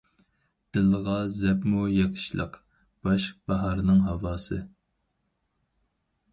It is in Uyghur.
دىلغا زەپمۇ يېقىشلىق، باش باھارنىڭ ھاۋاسى.